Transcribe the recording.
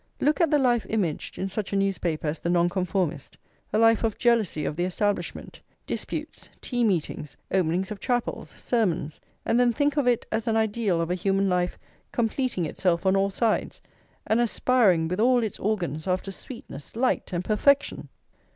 Look at the life imaged in such a newspaper as the Nonconformist; a life of jealousy of the Establishment, disputes, tea meetings, openings of chapels, sermons; and then think of it as an ideal of a human life completing itself on all sides, and aspiring with all its organs after sweetness, light, and perfection!